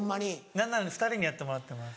何なら２人にやってもらってます。